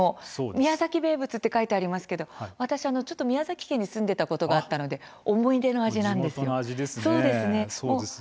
宮崎名物と書いてありますけれど私は宮崎に住んでいたことがありますので思い出の味です。